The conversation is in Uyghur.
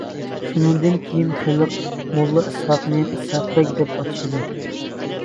شۇنىڭدىن كېيىن خەلق موللا ئىسھاقنى «ئىسھاق بەگ» دەپ ئاتىشىدۇ.